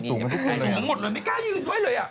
สิ่งมันหมดเลยไม่กล้ายยืนไว้เลยอ่ะ